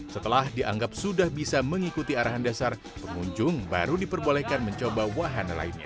setelah dianggap sudah bisa mengikuti arahan dasar pengunjung baru diperbolehkan mencoba wahana lainnya